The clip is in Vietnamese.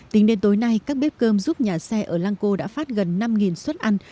tính đến tối nay các bếp cơm giúp nhà xe ở lăng cô đã phát gần năm xuất ăn